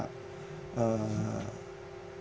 kayak di negara lain kan belum